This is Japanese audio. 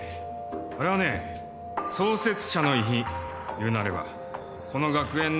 あれはね創設者の遺品いうなればこの学園のお宝なんですよ。